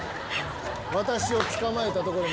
私を捕まえたとこで。